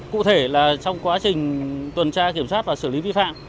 cụ thể là trong quá trình tuần tra kiểm soát và xử lý vi phạm